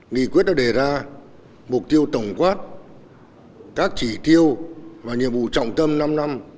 nghị quyết đã đề ra mục tiêu tổng quát các chỉ tiêu và nhiệm vụ trọng tâm năm năm hai nghìn một mươi sáu hai nghìn hai mươi